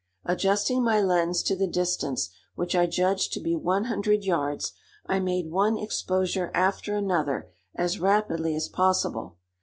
Adjusting my lens to the distance, which I judged to be one hundred yards, I made one exposure after another as rapidly as possible.